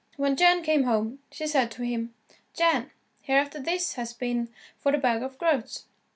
When Jan came home, she said to him, "Jan, Hereafterthis has been for the bag of groats."